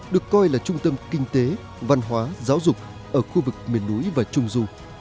được coi là trung tâm kinh tế văn hóa giáo dục ở khu vực miền núi và trung du